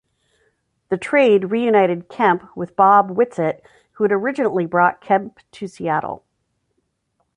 The trade reunited Kemp with Bob Whitsitt, who had originally brought Kemp to Seattle.